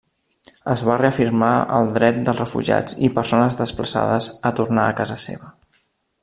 Es va reafirmar el dret dels refugiats i persones desplaçades a tornar a casa seva.